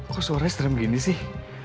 kok suaranya serem gini sih